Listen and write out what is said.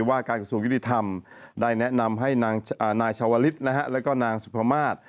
ว่าการกระทรวงยุติธรรมได้แนะนำให้นายชาวลิศแล้วก็นางสุภามาศ